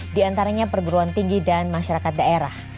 di antaranya perguruan tinggi dan masyarakat daerah